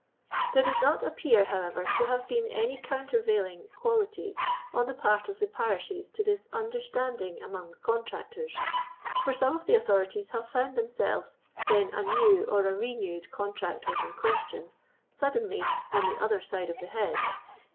There does not appear, however, to have been any countervailing qualities on the part of the parishes to this understanding among the con tractors ; for some of the authorities have found themselves, when a new or a renewed contract was in question, suddenly " on the other side of the hcdiro."